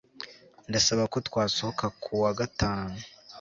Ndasaba ko twasohoka kuwa gatanu